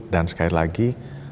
dan sekali lagi